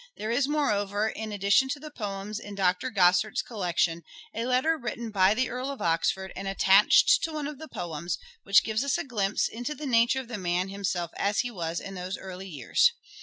There is, moreover, in addition to the poems in Dr. Grosart's collection, a letter written by the Earl of Oxford and attached to one of the poems, which gives us a glimpse into the nature of the man himself as he was in these early years.